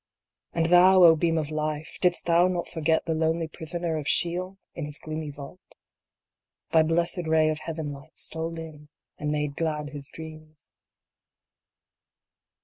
And thou, O Beam of Life ! didst thou not forget the lonely prisoner of Chillon in his gloomy vault ? thy blessed ray of Heaven light stole in and made glad his dreams.